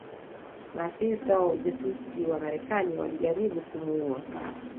Maafisa wa ujasusi wa Marekani walijaribu kumuua